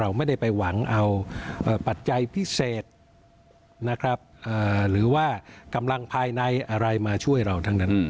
ไม่ได้ไปหวังเอาปัจจัยพิเศษนะครับหรือว่ากำลังภายในอะไรมาช่วยเราทั้งนั้น